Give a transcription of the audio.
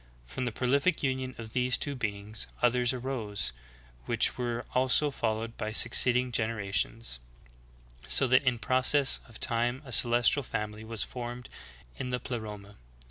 From the prolific union of these two beings, others arose, which were also followed by succeed ing generations; so that in process of time a celestial fam ily was formed in the Pleroma.